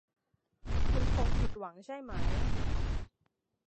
คุณคงผิดหวังใช่ไหม